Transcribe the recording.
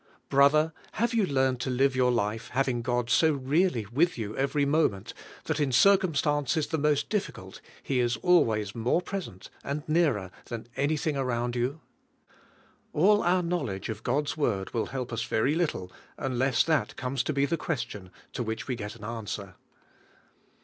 Brother, have you learned to live your life having God so really with you every moment, that in circumstances the m.ost difficult He is always more present and nearer than anything around you? All our knowledge of God's Word will help us very little, unless that comes to be the question to which we get an answer.